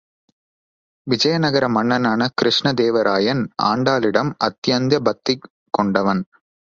விஜயநகர மன்னனான கிருஷ்ண தேவராயன் ஆண்டாளிடம் அத்யந்த பக்தி கொண்டவன்.